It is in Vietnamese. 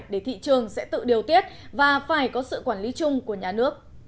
để thị trường sẽ tự điều tiết và phải có sự quản lý chung của nhà nước